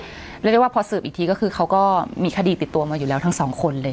เรียกได้ว่าพอสืบอีกทีก็คือเขาก็มีคดีติดตัวมาอยู่แล้วทั้งสองคนเลย